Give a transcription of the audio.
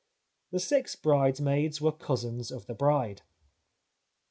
The six bridesmaids were cousins of the bride.